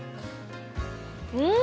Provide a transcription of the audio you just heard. うん！